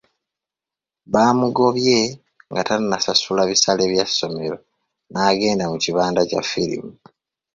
Baamugobye nga tannasasula bissale bya ssomero n'agenda mu kibanda kya firimu.